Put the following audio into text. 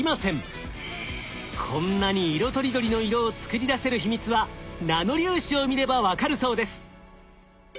こんなに色とりどりの色を作り出せる秘密はナノ粒子を見れば分かるそうです。